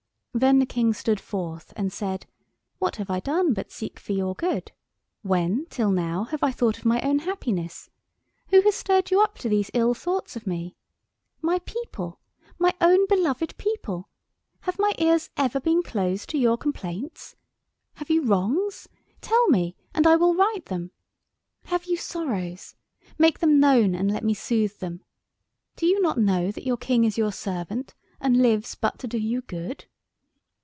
Then the King stood forth and said— "What have I done but seek for your good? When, till now, have I thought of my own happiness? Who has stirred you up to these ill thoughts of me? My people, my own beloved people, have my ears ever been closed to your complaints? Have you wrongs? Tell me, and I will right them. Have you sorrows? Make them known and let me soothe them. Do you not know that your King is your servant, and lives but to do you good?"